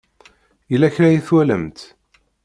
Yella kra i twalamt?